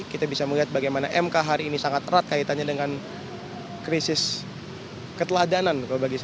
kita bisa melihat bagaimana mk hari ini sangat erat kaitannya dengan krisis keteladanan